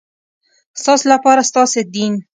ستاسې لپاره ستاسې دین.